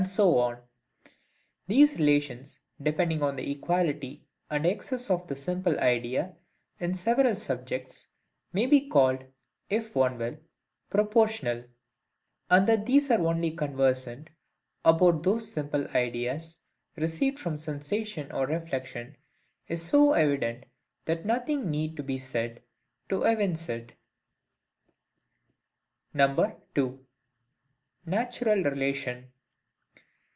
These relations depending on the equality and excess of the same simple idea, in several subjects, may be called, if one will, PROPORTIONAL; and that these are only conversant about those simple ideas received from sensation or reflection is so evident that nothing need be said to evince it. 2. Natural relation.